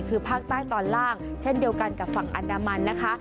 คือภาคใต้ตอนล่างเช่นเดียวกันกับฝั่งอันดามันนะคะ